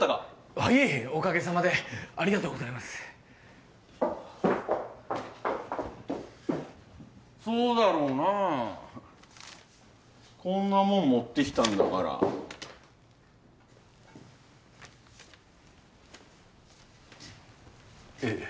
はいおかげさまでありがとうございますそうだろうなあこんなもん持ってきたんだからえッ？